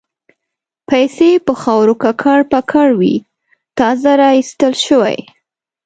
پیسې په خاورو ککړ پکر وې تازه را ایستل شوې.